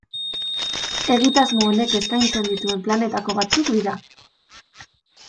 Egitasmo honek eskaintzen dituen planetako batzuk dira.